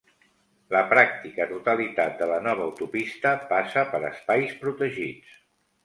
La pràctica totalitat de la nova autopista passa per espais protegits.